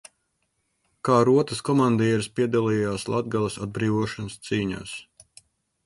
Kā rotas komandieris piedalījās Latgales atbrīvošanas cīņās.